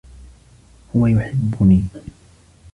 هو يحبّني.